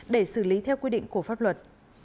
để xử lý theo quy định của pháp luật